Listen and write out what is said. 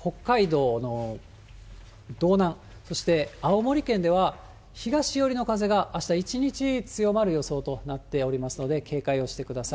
北海道の道南、そして青森県では、東寄りの風が、あした一日、強まる予想となっておりますので、警戒をしてください。